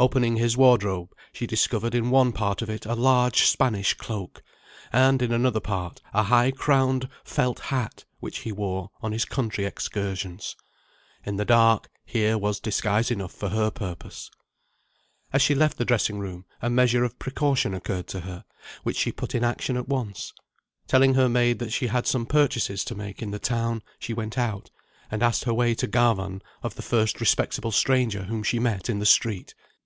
Opening his wardrobe, she discovered in one part of it a large Spanish cloak, and, in another part, a high crowned felt hat which he wore on his country excursions. In the dark, here was disguise enough for her purpose. As she left the dressing room, a measure of precaution occurred to her, which she put in action at once. Telling her maid that she had some purchases to make in the town, she went out, and asked her way to Garvan of the first respectable stranger whom she met in the street.